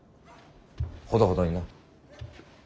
ほどほどにな。